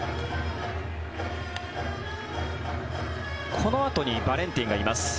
このあとにバレンティンがいます。